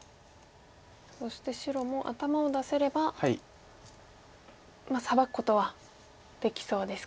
そして白も頭を出せればサバくことはできそうですか。